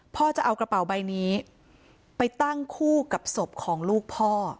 พ่อจะเอากระเป๋าใบนี้ไปตั้งคู่กับศพของลูกพ่อ